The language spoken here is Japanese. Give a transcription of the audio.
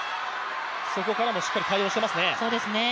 そこからもしっかり対応していますね。